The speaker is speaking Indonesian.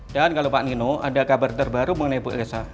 dan kalau pak nino ada kabar terbaru mengenai bu ilesa